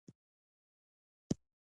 دغه شیان د انسان ذهن او روح ناکراره کوي.